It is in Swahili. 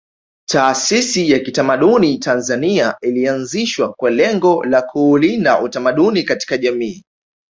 Taasisi ya kitamaduni Tanzania ilianzishwa kwa lengo la kuulinda utamaduni katika jamii